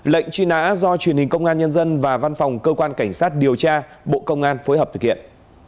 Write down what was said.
lệnh truy nã do truyền hình công an nhân dân và văn phòng cơ quan cảnh sát điều tra bộ công an phối hợp thực hiện